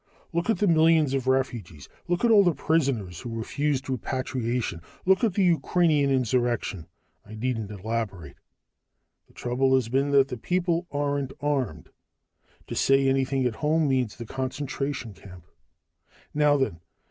Look at the millions of refugees, look at all the prisoners who refused repatriation, look at the Ukrainian insurrection I needn't elaborate. The trouble has been that the people aren't armed. To say anything at home means the concentration camp. "Now, then.